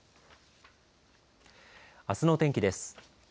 あすのお天気です。